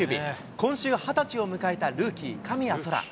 今週２０歳を迎えたルーキー、神谷そら。